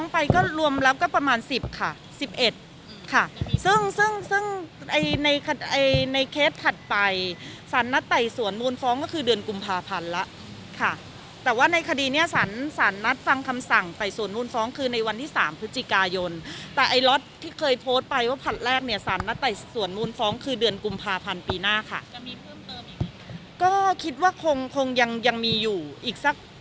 ไปสารนัดไต่สวนมูลฟ้องก็คือเดือนกุมภาพันธุ์แล้วค่ะแต่ว่าในคดีเนี่ยสารสารนัดฟังคำสั่งไต่สวนมูลฟ้องคือในวันที่สามพฤจิกายนแต่ไอล็อตที่เคยโพสต์ไปว่าพันธุ์แรกเนี่ยสารนัดไต่สวนมูลฟ้องคือเดือนกุมภาพันธุ์ปีหน้าค่ะก็คิดว่าคงคงยังยังมีอยู่อีกสักสั